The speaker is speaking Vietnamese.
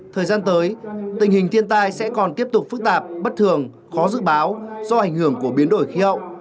thời gian tới tình hình thiên tai sẽ còn tiếp tục phức tạp bất thường khó dự báo do ảnh hưởng của biến đổi khí hậu